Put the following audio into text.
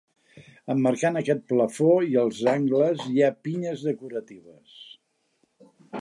Emmarcant aquest plafó i als angles, hi ha pinyes decoratives.